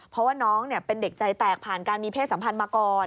เพราะว่าน้องเป็นเด็กใจแตกผ่านการมีเพศสัมพันธ์มาก่อน